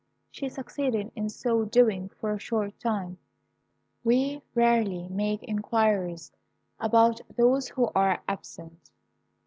She succeeded in so doing for a short time. We rarely make inquiries about those who are absent.